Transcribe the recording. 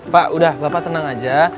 pak udah bapak tenang aja